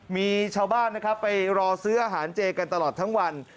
มีชาวบ้านนะครับไปรอซื้ออาหารเจกันตลอดทั้งวัน